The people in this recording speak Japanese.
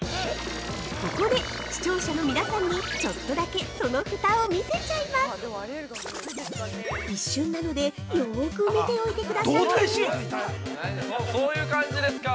◆ここで視聴者の皆さんにちょっとだけ、そのフタを見せちゃいます一瞬なので、よく見ておいてくださいね！